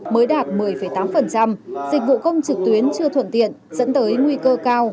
mới đạt một mươi tám dịch vụ công trực tuyến chưa thuận tiện dẫn tới nguy cơ cao